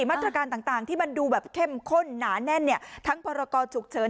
มาตรการต่างที่มันดูแบบเข้มข้นหนาแน่นเนี่ยทั้งพรกรฉุกเฉิน